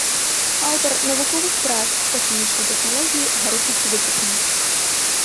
Аўтар навуковых прац па хімічнай тэхналогіі гаручых выкапняў.